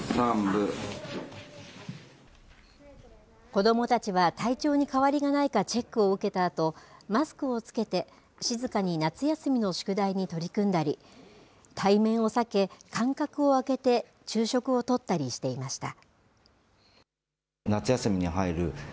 子どもたちは体調に変わりがないかチェックを受けたあと、マスクを着けて、静かに夏休みの宿題に取り組んだり、対面を避け、間隔を空けて昼食をとったりしていました。